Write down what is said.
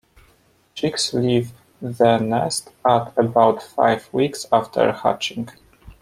Chicks leave the nest at about five weeks after hatching.